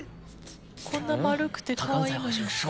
こんな丸くてかわいいのに。